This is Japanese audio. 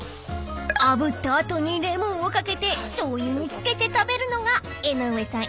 ［あぶった後にレモンを掛けてしょうゆにつけて食べるのが江上さん